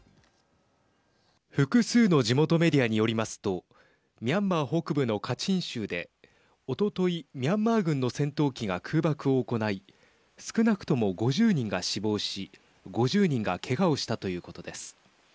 複数の地元メディアによりますとミャンマー北部のカチン州でおととい、ミャンマー軍の戦闘機が空爆を行い少なくとも５０人が死亡し５０人がけがをしたということです。